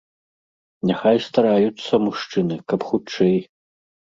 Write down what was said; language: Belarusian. Няхай стараюцца мужчыны, каб хутчэй.